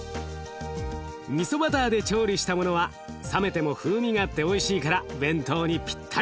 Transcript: みそバターで調理したものは冷めても風味があっておいしいから弁当にピッタリ！